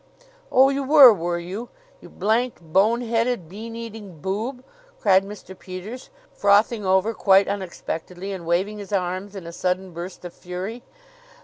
"Oh, you were, were you? You blanked bone headed, bean eating boob!" cried Mr. Peters, frothing over quite unexpectedly and waving his arms in a sudden burst of fury.